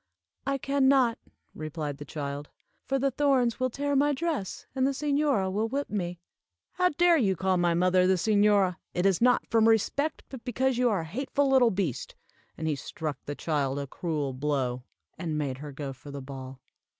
"I can not," replied the child, "for the thorns will tear my dress, and the señora will whip me." "How dare you call my mother the señora? It is not from respect, but because you are a hateful little beast." And he struck the child a cruel blow, and made her go for the ball.